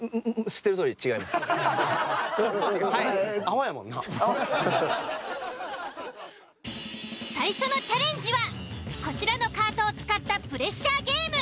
あっんんっ最初のチャレンジはこちらのカートを使ったプレッシャーゲーム。